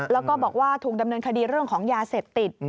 แล้วก็บอกว่าถูกดำเนินคดีเรื่องของยาเสพติด